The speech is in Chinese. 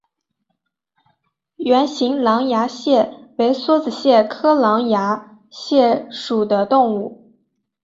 圆形狼牙蟹为梭子蟹科狼牙蟹属的动物。